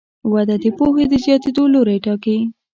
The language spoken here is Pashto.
وده د پوهې د زیاتېدو لوری ټاکي.